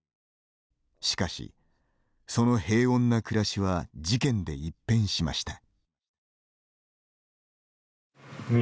しかし、その平穏な暮らしは事件で一変しました。